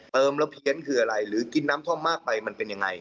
เติมแล้วเพี้ยนคืออะไรหรือกินน้ำท่อมมากไปมันเป็นยังไง